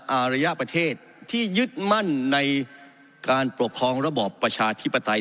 อารยะประเทศที่ยึดมั่นในการปกครองระบอบประชาธิปไตย